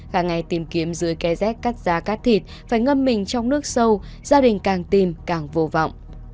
cả ngày tìm kiếm dưới ké rét cắt giá cắt thịt phải ngâm mình trong nước sâu gia đình càng tìm càng vô vọng